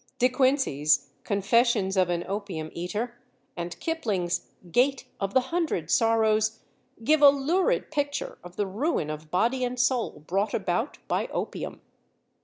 De Quincey's Confessions of an Opium eater and Kipling's Gate of the Hundred Sorrows give a lurid picture of the ruin of body and soul brought about by opium.